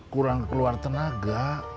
kurang keluar tenaga